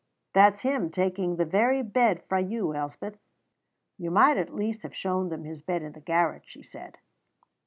That's him taking the very bed frae you, Elspeth." "You might at least have shown them his bed in the garret," she said.